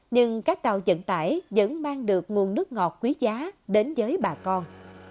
nhưng các tàu dẫn tải vẫn mang được nguồn nước ngọt quý giá đến với bà con